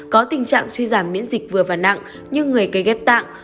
có tình trạng suy giảm miễn dịch vừa và nặng như người cây ghép tạng